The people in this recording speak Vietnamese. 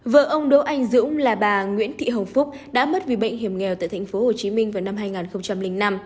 vợ ông đỗ anh dũng là bà nguyễn thị hồng phúc đã mất vì bệnh hiểm nghèo tại tp hcm vào năm hai nghìn năm